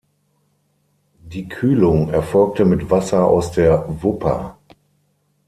Die Kühlung erfolgte mit Wasser aus der Wupper.